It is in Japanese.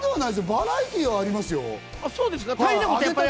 バラエティーはありますよ。